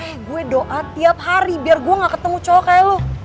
eh gue doa tiap hari biar gue gak ketemu cowok kayak lu